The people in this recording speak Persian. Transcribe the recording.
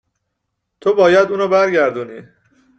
-تو باید اونو برگردونی